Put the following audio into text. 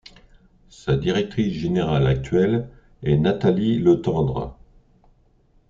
Sa directrice générale actuelle est Nathalie Letendre.